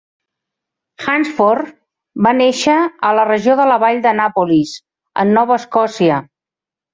Hansford va néixer a la regió de la vall d'Annapolis en Nova Escòcia.